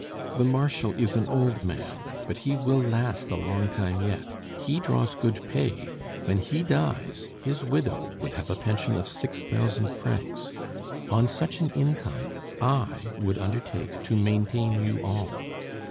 The Marshal is an old man, but he will last a long time yet he draws good pay; when he dies his widow would have a pension of six thousand francs. On such an income I would undertake to maintain you all.